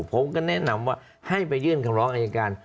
ผมก็แนะนำว่าให้ไปยื่นคำร้องอายการ